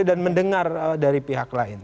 dan mendengar dari pihak lain